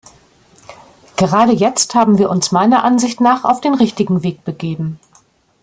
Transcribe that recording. Gerade jetzt haben wir uns meiner Ansicht nach auf den richtigen Weg begeben.